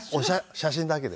写真だけで。